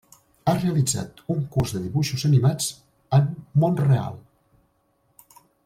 Ha realitzat un curs de dibuixos animats en Mont-real.